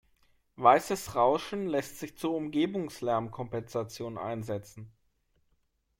Weißes Rauschen lässt sich zur Umgebungslärmkompensation einsetzen.